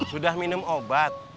sudah minum obat